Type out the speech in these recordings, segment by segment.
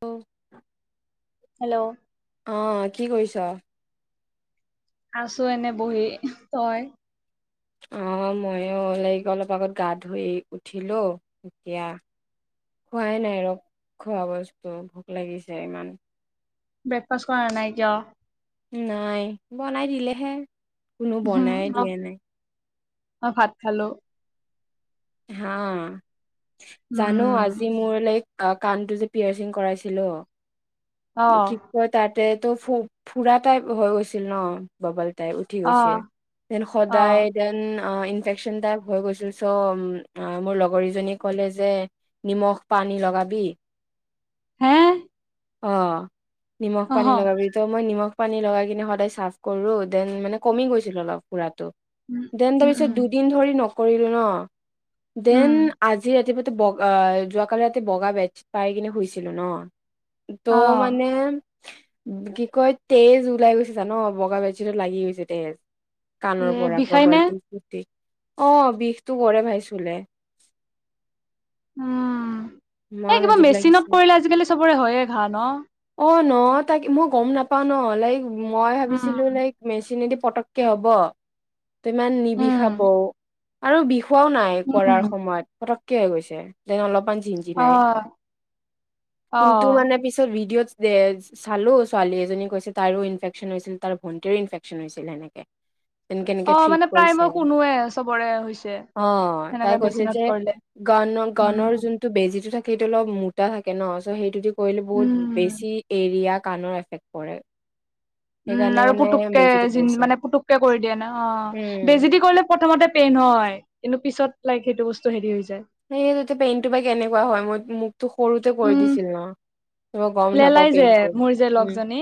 অ hello অ, কি কৰিছ? আছো এনে বহি, তই? অঁ মইও [unintelligible] অলপ আগত গা ধুই উঠিলো এতিয়া খোৱাই নাই আৰু খোৱা বস্তু ভোক লাগিছে ইমান। ব্ৰেকফাষ্ট কৰা নাই কিয়? নাই বনাই দিলেহে। কোনো বনাই দিয়া নাই। অ, ভাত খালো। হা। জানো, উম আজি মোৰ লাইক অ, কাণটো যে পিয়াৰ চিং কৰাইছিলো অহ কিপ ত তেটো ফ ফুৰা টাইপ হৈ গৈছিল ন ববল তাই উঠি অহ গৈছে যেন অহ সদায় যেন ইনফেকচন টাইপ হৈ গৈছিল চ' মোৰ লগৰীজনীয়ে ক'লে যে নিমখ পানী লগাবি হে অ নিমখ অহ পানী লগাবি ত মই নিমখ পানী লগাই কিনে সদায় চাফ কৰো দেন মানে কমি গৈছিল অলপ পুৰাটো উম দেন উম তাৰপিছেত উম দুদিন ধৰি নক কৰিলো ন উম দেন আজি ৰাতিপ বগা যোৱাকালি ৰাতি বগা বে পাই কিনে শুইছিলো ন ত' অহ মানে কি কয় তেজ ওলাই গৈছে জান বগা বেজত লাগি গৈছে তেজ কানৰ এ পৰা বিষাই নে ববলদ টো ফুতি অ বিষটো কৰে ভাই চুলে উম ইমান এই কিবা আজীৱ লাগিছে। মেচিনত পৰিলে আজিকালি চবৰে হয়য়ে ঘাঁহ ন অ', ন তাক মই গম নাপাওঁ ন লাইক মই ভাবিছিলো উম লাইক মেচিনেদি পটককে হ'ব তোমান নিবিষাব উম আৰু বি খোৱাও নাই কৰাৰ সময়ত হৈ গৈছে যে অলপ মান অহ অহ [unintelligible] মানে পিছত ভিডিঅ' তেজ চালো ছোৱালী এজনী কৈছে তাৰো ইনফেকশ্যচন হৈছিল তাৰ ভন্টিৰো ইনফেকশ্যচন হৈছিল নেকি অ মানে প্ৰায় মই কুনোৱে চবৰে হৈছে অ তাই সেনেকাে কৈছে যে বেচিনত কৰিলে গান গানৰ উম যোনটো বেজিটো থাকে সেইটো অলপ মোটা থাকে ন চ' সেইটো দি কৰিলো বহুত উম বেছি এৰিয়াক কাণৰ এফেক্ট পৰে। উম সেইকাৰণে আৰু মানে পুতুককে বেজিটো কৰিছে মানে পুতুককে কৰি দিয়ে নহ অ উম বেজি দি কৰিলে প্ৰথমতে পেইন হয় কিন্তু পিছত। লাইক সেইটো বস্ত হেৰি হৈছে। সেইটোৱে পেইনটো বা কেনেকুৱা হয় মই মোক। তোক সৰুতে কৰি উম দিছিল নহ। লেলাই যে মোৰ যে লগজনী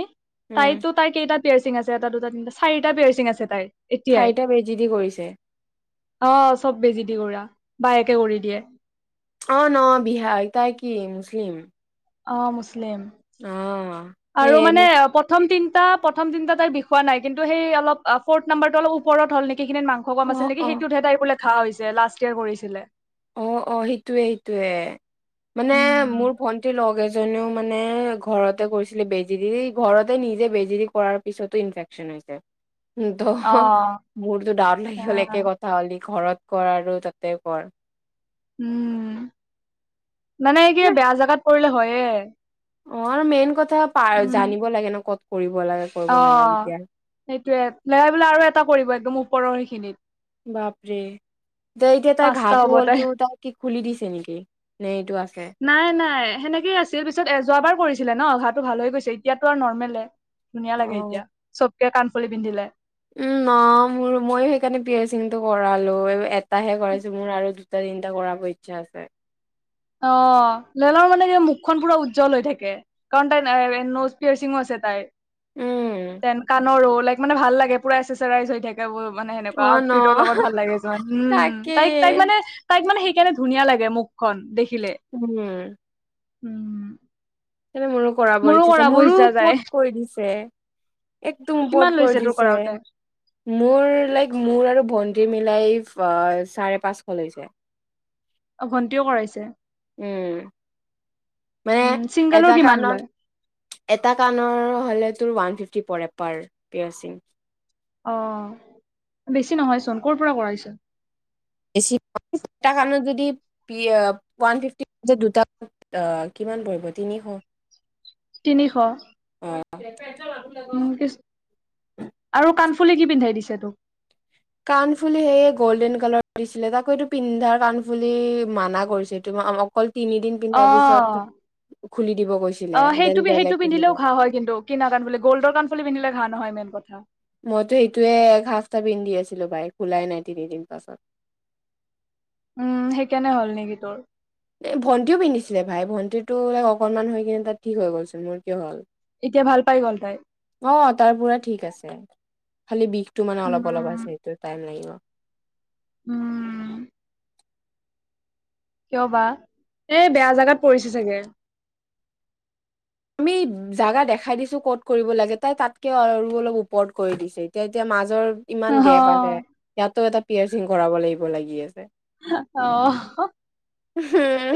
উম তাইৰটো তাৰ কেইটা পিয়াৰচিং আছে এটা দুটা তিনিটা চাৰি। তা পিয়াৰচিং আছে তাইৰ। এতিয়াই চাৰিটা বেজি দি কৰিছে অ চব বেজি দি কৰা বায়ে। কৰি দিয়ে। অ নহ বিহাৰী তাই কি মুছলিম। অ মুছ। লিম অ আৰু সেয়ে মানে মোক প্ৰথম তিন। প্ৰথম তিনিটা তাইৰ বিষোৱা নাই কিন্তু সেই অলপ ফৰ্থ নাম্বাৰটো অলপ ওপৰত হ'ল নেকি। সেইখিনিত মাংস কম অ আছিলে নেকি অ সেইটোত হে তাই বোলে। ঘাঁ হৈছে লাষ্ট ইয়েৰ কৰিছিলে। অ অ সেইটোৱে সেইটোৱে মানে উম মোৰ ভন্টিৰ লগ এজনী। জনেও মানে ঘৰতে কৰিছিলে বেজি দি ঘৰতে নিজে বেজি দি কৰাৰ পিছতো ইনফেকচন হৈছে। ত মোৰতো ডৰ লাগি গল অ একে কথা হ'লি ঘৰত। ক'ৰ আৰু তাতে ক'ৰ। উম। মানে কি বেয়া জেগাত। কৰিলে হয়ে। অ আৰু মেইন ক। [inaudible] উম জানিব লাগে নহ ক'ত। কৰিব। লাগে কৰিব অ নালাগে এতিয়া সেইটোৱে লেৰাই বিলাই আৰু এটা কৰিবা একদম উপ। ওপৰখিনিত। বাপৰে দে এতিয়া তাই পাঁচটা ঘাঁটো হ'ব হ'লতো তাই কি খুলি দিছে নেকি নে এইটো আছে। নাই নাই। সেনেকে আছিল পিছত এ যোৱাবাৰ কৰিছিলে নহ ঘাঁটো ভাল হৈ গৈছে এতিয়াতো আৰু নৰ্মেলে। ধুনীয়া লাগে এতিয়া অ', চ। কাণফুলি পিন্ধিলে। উম নহ মোৰ মইও সেইকাৰণে পিয়াৰ্চিংটো কৰালোঁ এটাহে কৰাইছো মোৰ আৰু দুটা তিনিটা কৰাব ইচ্ছা আছে। অ লেলাৰ মানে মুখখন পুৰা উজ্জ্বল হৈ থাকে কাৰণ তাই নছ পিয়াৰ্চিংও আছে তাইৰ। উম তেনকানৰ ৰ'ল- লাক মানে ভাল লাগে পুৰা আছেচেৰাইছ হৈ থাকে। [unintelligible] মানে অ সেনেকুৱা ন আউটফিটৰ লগত ভাল লাগে চমান উম, তাকে তাইক তাইক মানে তাইক মানে- কেনে ধুনীয়া লাগে মুখখন দেখ- উম! উম সেই কাৰণে মোৰো কৰাব মোৰো ইচ্ছা আছে মোৰো ইচ্ছা যায় ওপৰত কৰি দিছে। একদম কিমান ওপৰত কৰি লৈছে তোৰ দিছে, কৰাওতে মোৰ লাইক মোৰ আৰু ভন্টিৰ মি- লাইফ অ চাৰে পাঁচশ লৈছে। অ ভণ্টিও কৰাইছে? উম মানে উম ছিংগলৰ এটা কিমান কাণত, লয় এটা কাণৰ হ'লে তোৰ ওৱান ফিফটি পৰে, পাৰ পিয়েৰচিং। অহ, বেছি নহয় চোন ক'ৰ পৰা কৰাইছা? বেছি [inaudible] দুটা কাণত যদি পি আহ ওৱান ফিফটি [inaudible] দুটা কাণত কিমান পৰিব আহ তিনিশ। তিনিশ? [unintelligible] উম কিছ আৰু কাণ ফুলি কি পিন্ধাই দিছে তোক কাণফুলি সেইয়ে গ'ল্ডেন কালাৰ দিছিলে তাকো এইটো পিন্ধা কাণফুলি মানা কৰিছে। এইটো অ অকল তিনিদিন পিন্ধাৰ অহ! পিছত খুলি দিব কৈছিলে অহ, দেন সেইটো, সেইটো বেলেগ পিন্ধিব পিন্ধিলেও ঘা হয় কিন্তু কিনা কাণ ফুলি গ'ল্ডৰ কাণফুলি পিন্ধিলে ঘা নহয় মেন কথা মইতো এইটোৱে এক সাফতা পিন্ধি আছিলো পাই খোলাই নাই তিনিদিন পাছত উম সেইকাৰণে হ'ল নেকি তোৰ? এ ভণ্টিও পিন্ধিছিলে ভাই ভণ্টিৰটো অকনমান হৈ কিনে তাৰ ঠিক হৈ গ'ল চোন মোৰ কিয় হ'ল? এতিয়া ভাল পাই গ'ল তাই অ তাৰ পুৰা ঠিক আছে। খালি বিষ- টো মানে অলপ অলপ আছে উম, সেইটো টাইম লাগিব। উম! কিয় বা? এই বেয়া জাগাত পৰিছে চাগে। আমি জাগা দেখাই দিছো ক'ত কৰিব লাগে তাই তাতকেও আৰু অলপ ওপৰত কৰি দিছে এতিয়া, এতিয়া মাজৰ ইমান অহ, গেপ আছে ইয়াতো এটা পিয়েৰচিং কৰাব লাগিব লাগি আছে। হো অহ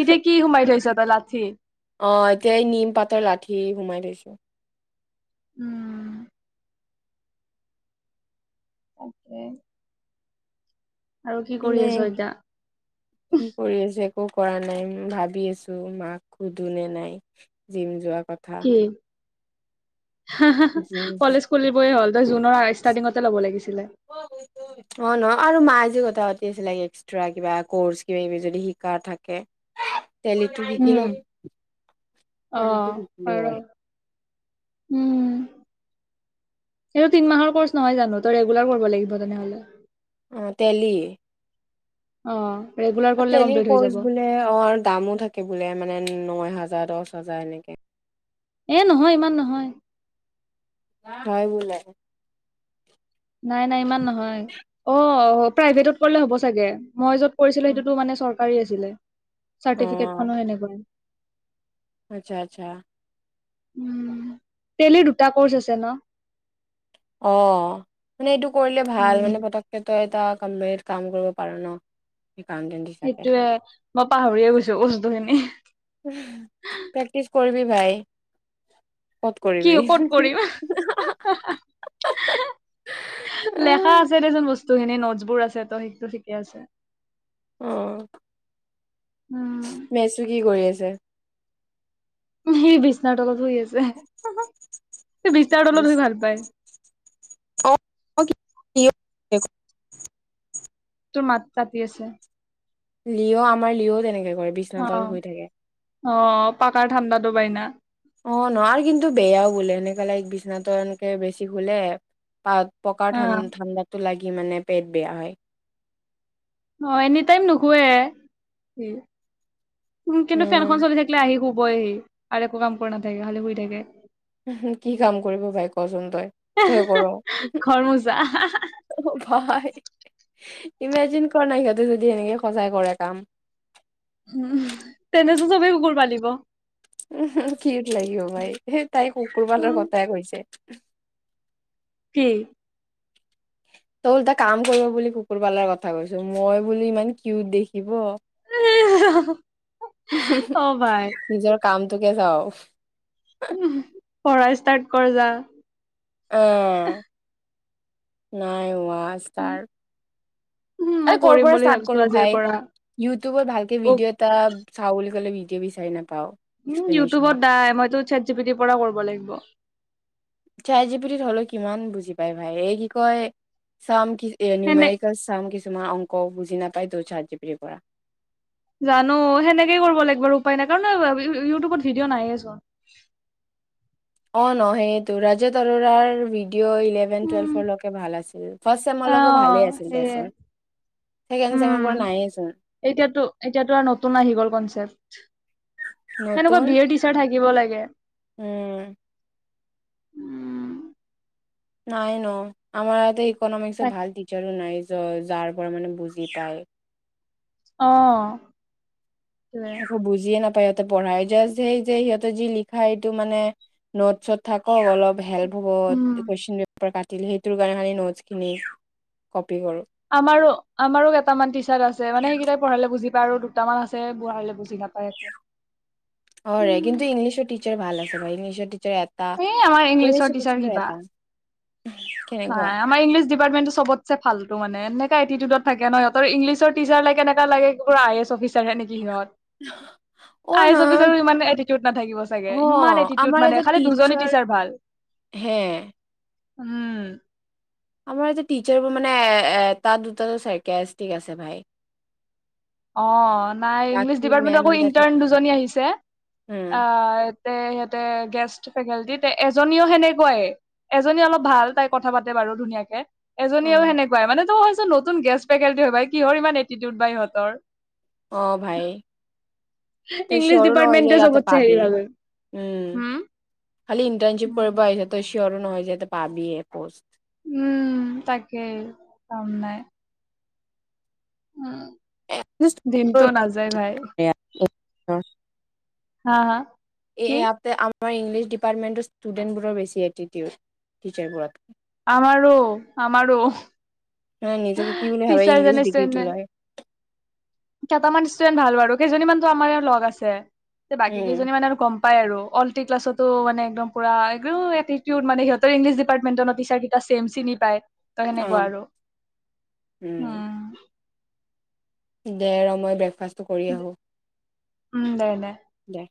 এতিয়া কি সোমাই থৈছ? লাঠি অহ! এতিয়া এই নিম পাতৰ লাঠি সোমাই থৈছো। উম তাকে আৰু কি কৰি এনে আছ এতিয়া? কি কৰি আছে একো কৰা নাই ভাবি আছো মাক সুধো নে নাই জিম যোৱা কথা কি হা হা হা জিম কলেজ খুলিবই হ'ল তই জুনৰ ষ্টাৰ্টিঙতে ল'ব লাগিছিলে তি আছিলে এক্সট্ৰা কিবা কৰ্চ কিবা কিবি যদি শিকা থাকে তেলীটো শিকিলো উম, অ', তেলিটো শিকিলো পাৰ। হয়। উম এইটো তিনমাহৰ কৰ্চ নহয় জানো ত ৰেগুলাৰ কৰিব লাগিব তেনেহলে। অহ তেলি। অহ। তেলিৰ কৰ্চ বোলে অ দামো থাকে বোলে মানে ন হাজাৰ হাজাৰ দহ হাজাৰ এনেকে। এ নহয় ইমান নহয়। হয় বোলে। অহ প্ৰাইভেটত কৰিলে হ'ব চাগে মই য'ত কৰিছিলো সেইটোতো মানে চৰকাৰ পাৰি আছিলে। চাৰ্টিফিকেট অ' খনো সেনেকুৱাই। আচ্ছা আচ্ছা। উম তেলিৰ দুটা কৰ্চ আছে ন। অহ মানে এইটো কৰিলে ভাল উম মানে পতককে তই এটা কমপ্লেইত কাম কৰিব পাৰ ন। একাউন্টেন্ট হিচাপে। সেইটোৱে মই পাহৰিয়ে গৈছো বস্তু খিনি। প্ৰেকটিচ কৰিবি ভাই। ক'ত কি কৰিবি। ক'ত কৰিম লেখা আছে দেচোন বস্তু বস্তুখিনি নোটছ বোৰ আছে ত সেইতো থিকে আছে। অ উম মেচো কি কৰি আছে? সি বিচনাৰ তলত শুই আছে। সি বিচনাৰ তলত শুই ভাল পায়। অ', কি তোৰ মাত কাটি আছে। লিঅ আমাৰ লিঅ তেনেকে বিচনা তলত শুই থাকে। অহ পাকাৰ ঠাণ্ডাটো পায় না। অহ নোৱাৰি কিন্তু বেয়াও বোলে সেনেকে লাইক বিচনাটো এনেকে বেছি শুলে কাত পকাৰ অ ঠান ঠাণ্ডাটো লাগি সি মানে পেট বেয়া হয়। হয় এনিটাইম নুশুৱে সি। উম কিন্তু ফেনখন চলি থাকিলে আহি শু বয়হি আৰু একো কাম কৰি নাথাকে খালি শুই থাকে। কি কাম কৰিব ভাই কচোন তই তই কৰ ঘৰ মোচা হয় ইমেজিন কৰা নাই সিহঁতি যদি এনেকে সঁচাই কৰে কাম। উ তেনেচ চবেই কুকুৰ পালিব উ কিত লাগিব ভাই সেই তাই কুকুৰ পালৰ উম, কথাই কৈছে। উহ। কি? তই ওলটা কাম কৰিব বুলি কুকুৰ পালাৰ কথা কৈছ, মই বুলি ইমান কিউট দেখিব। অ ভাই নিজৰ কামটোকে যাওঁ। পঢ়াই ষ্টাৰ্ট কৰ যা। উম। নাই হোৱা পাঁচটাৰ। উম মই আৰে ক'ৰ কৰিম পৰা বুলি ষ্টাৰ্ট ভাবিছো কৰোঁ আজিৰ ভাই, পৰা ইউটিউবত ভালকে বুক ভিডিঅ' এটা চাওঁ বুলি ক'লে ডিঅ' বিচাৰি না উম, ইউটিউবত দাই মইতো চেট চপিটিৰ পৰা ক'ৰব' লাগিব। চেট জিপিটিত হ'লেও কিমান বুজি পাই ভাই, এই কি কয় চাম কি এ সেনে নিউমেৰিকেল চাম কিছ তোমাৰ অংক বুজি নাপায় তোৰ চেট জিপিটিৰ পৰা। জানো সেনেকেই কৰিব লাগিব আৰু উপায় নাই কাৰণ ৱি-ৱি-ইউটিউবত ভিডিঅ' নায়ে চোন। অ', নহেই তোৰ ৰাজাত আৰোৰাৰ ডিঅ' ইলেভেন উম টুৱেলভৰ লকে ভাল আছিল ফাৰ্ষট অ চেমৰ লগেও ভালেই আছিল সেয়ে দেচোন, চেকেণ্ড চেমৰ পৰা উম। নাইে চোন এতিয়াতো এতিয়াতো আৰু নতুন আহি গ'ল কনচেপ্ট নতুন‌ দিব লাগে। উম। উম। নাই ন আমাৰ এয়াতেই ইক'নমিকচ ভাল টিচাৰো নাই যজ যাৰ পৰা মানে বুজি পায় অহ একো বুজিয়ে নাপ সিহঁতে পঢ়ায় জাস্ট সেই যে সিহঁতে যি লিখা এইটো মানে নোট চত থাকে অলপ হেল্প হ'ব উম, কোৱেশ্চন পেপাৰ কা সেইটোৰ কাৰণে নোটচ খিনি কৰো আমাৰো, আমাৰো কেইামান টিচাৰ আছে মানে সেইকেইটাই পঢ়ালে বুজি আৰু দুটামান আছে বুজালে বুজি নাপায় একো। [unintelligible] অ'ৰে কিন্তু ইংলিছৰ টি টিছাৰ ভাল আছিলে ইংলিছৰ টি এটা, এই আমাৰ ইংলিছৰ ইংলিছ টিচাৰ টিচাৰো কিবা এটা। কেনেকুৱা নাই আমাৰ ইংলিছ ডিপাৰ্টমেণ্টো চবটছে ফালতো মানে এনেক কা এটিটিউডত থাকে নহ সিহঁতৰ ইংলিছৰ টিচাৰ লাগে নে কেনেকা লাগে কি পুৰা আই এছ এফিচাৰহে নেকি সিহঁত। অ আই এছ নহয় অফিচাৰো ইমান এটিটিউড নাথাকিব চাগে অ ইমান আমাৰ এটিটিউড মানে এটা খালি দুজনী টিচাৰ ভাল। হে উম। আমাৰ যে টিচাৰবোৰ মানে এ এটা দুটাটো চাইকেছটিক আছে ভাই। অ', নাই ইংলিছ বাকী ডিপাৰ্টমেণ্টত মেম আকৌ কেইটা ঠিক ইণ্টাৰ্ণ আছে দুজনী আহিছে উম অ' তাতে সিহঁতে গেষ্ট ফেকাল্টিত এজনীও সেনেকুৱাই এজনী অলপ ভাল তাই কথা পাতে বাৰু ধুনীয়াকে। অ এজনীয়েও সেনেকুৱাই মানে তো তো নতুন গেষ্ট ফেকাল্টি হয় ভাই কিহৰ ইমান এটিটিউড বা সিহঁতৰ। অ' ভাই, তই ইংলিছ ছিয়ৰো নহয় যে ডিপাৰ্টমেণ্টটোৱে ইয়াতে চবতছে হেৰি পাবি ভাবে উম হুম খালি ইণ্টাৰ্নশিপ কৰিব আহিছে তই ছিয়ৰো নহয় যে তই পাবিয়ে পোষ্ট। উম তাকেই কাম নাই। উম। দিনটো নাযায় ভাই। [unintelligible] হা হা। এ কি এয়াতে আম আমাৰ ইংলিছ ডিপাৰ্টমেন্টৰ ষ্টুডেণ্ট বোৰৰ বেছি এটিটিউড টিছাৰবোৰটকে। আমাৰো আমাৰো। নাই নিজকে কি বুলি ভাবে ইংলিছ ডিগ্ৰী টো টিচাৰজনে লয়। ইষ্টোডেনট ভাল বাৰু কেইজনীমানতো আমাৰে লগ আছে। বাকী উম কেইজনী মানে আৰু কম। পায় আৰু অল্টি ক্লাছতো মানে একদম পুৰা এটিটিউড মানে সিহঁতৰ ইংলিছ ডিপাৰ্টমেণ্টৰ নহ টিচাৰ কিটা চেম চিনি পায়। ত' অ সেনেকুৱা আৰু। উম। দে আৰু মই ব্ৰেকফাষ্ট কৰি আহো। উম, দে দে। দে।